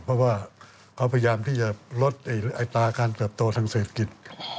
เพราะว่าเขาพยายามที่จะลดอัตราการเติบโตทางเศรษฐกิจ